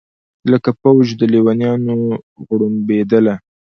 لکه فوج د لېونیانو غړومبېدله